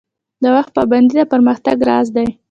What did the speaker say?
د وخت پابندي د پرمختګ راز دی